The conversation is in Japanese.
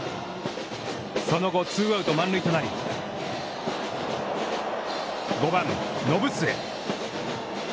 その後、ツーアウト満塁となり、５番延末。